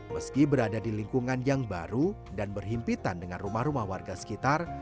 meski berada di lingkungan yang baru dan berhimpitan dengan rumah rumah warga sekitar